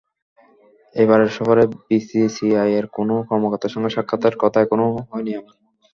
এবারের সফরে বিসিসিআইয়ের কোনো কর্মকর্তার সঙ্গে সাক্ষাতের কথা এখনো হয়নি আমার।